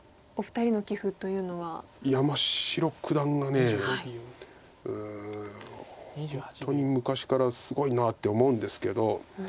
山城九段がうん本当に昔からすごいなって思うんですけど。